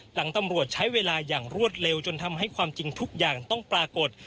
หลังตำรวจใช้เวลาอย่างรวดเร็วจนทำให้ความจริงทุกอย่างต้องปรากฏ